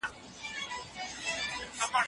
خندا د دفاعي سیستم ځواک زیاتوي.